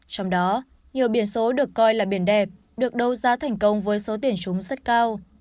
trong đó nhiều biển số được coi là biển đẹp được đấu giá thành công với số tiền chúng rất cao